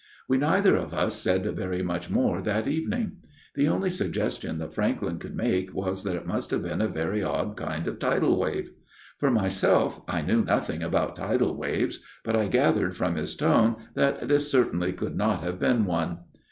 " We neither of us said very much more that evening. The only suggestion that Franklyn FATHER BRENTS TALE 61 could make was that it must have been a very odd kind of tidal wave. For myself, I knew nothing about tidal waves ; but I gathered from his tone that this certainly could not have been one.